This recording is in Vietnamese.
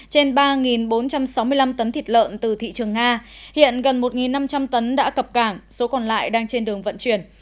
trên ba bốn trăm sáu mươi năm tấn thịt lợn từ thị trường nga hiện gần một năm trăm linh tấn đã cập cảng số còn lại đang trên đường vận chuyển